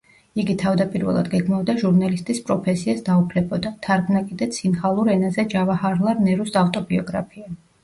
იგი თავდაპირველად გეგმავდა ჟურნალისტის პროფესიას დაუფლებოდა, თარგმნა კიდეც სინჰალურ ენაზე ჯავაჰარლალ ნერუს ავტობიოგრაფია.